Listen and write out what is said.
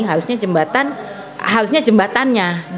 harusnya jembatan harusnya jembatannya